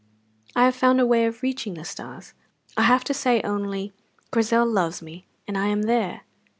I have found a way of reaching the stars. I have to say only, 'Grizel loves me,' and I am there."